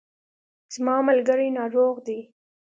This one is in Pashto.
زما ملګری ناروغ دی